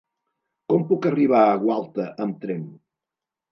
Com puc arribar a Gualta amb tren?